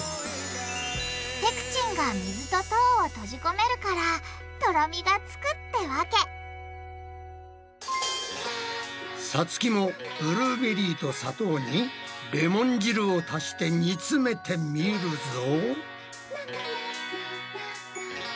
ペクチンが水と糖を閉じ込めるからとろみがつくってわけさつきもブルーベリーと砂糖にレモン汁を足して煮詰めてみるぞ。